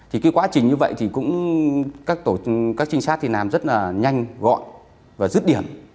thì cái quá trình như vậy thì cũng các trinh sát thì làm rất là nhanh gọn và dứt điểm